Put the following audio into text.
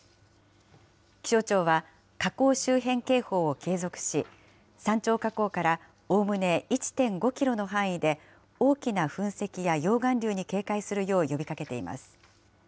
気象庁は火口周辺警報を継続し、山頂火口からおおむね１．５キロの範囲で、大きな噴石や溶岩流に警戒するよう呼びかけています。